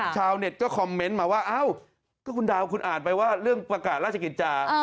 ชาวเน็ตก็คอมเมนต์มาว่าเอ้าก็คุณดาวคุณอ่านไปว่าเรื่องประกาศราชกิจจา